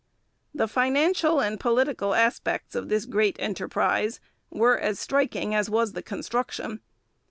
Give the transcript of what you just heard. The financial and political aspects of this great enterprise were as striking as was the construction.